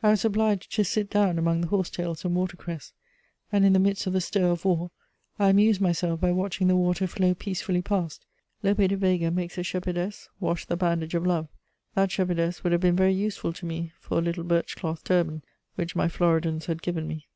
I was obliged to sit down among the horsetails and watercress; and, in the midst of the stir of war, I amused myself by watching the water flow peacefully past. Lope de Vega makes a shepherdess wash the bandage of Love; that shepherdess would have been very useful to me for a little birch cloth turban which my Floridans had given me.